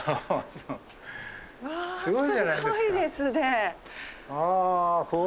うわすごいですね。